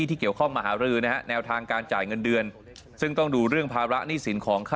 ถ้าใครไม่ชอบก็ใช้แนวทางเดิมได้นะฮะไปฟังเสียงทางนายกรัฐมนตรีกันครับ